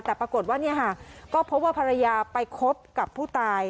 แต่ปรากฏว่าเนี่ยค่ะก็พบว่าภรรยาไปคบกับผู้ตาย